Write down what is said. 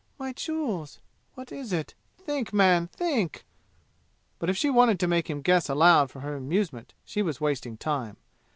My jewels? What is it? Think, man! Think!" But if she wanted to make him guess aloud for her amusement she was wasting time.